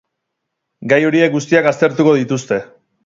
Gai horiek guztiak aztertuko dituzte.